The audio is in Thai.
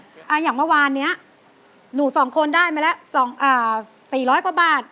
อย่างเมื่อวานนี้หนูสองคนได้มาแล้ว๔๐๐กว่าบาท